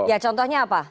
ya contohnya apa